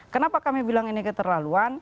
kenapa kami bilang ini keterlaluan